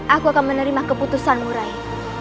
aku akan menerima keputusanmu rai